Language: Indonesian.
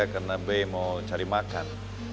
karena be mau cari makan